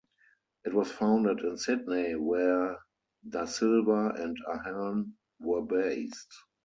It was founded in Sydney, where da Silva and Ahern were based.